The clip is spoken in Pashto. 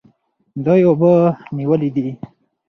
دوی اوبه نیولې دي.